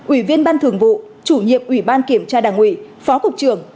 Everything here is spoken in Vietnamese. ủy viên ban thường vụ chủ nhiệm ủy ban kiểm tra đảng ủy phó cục trưởng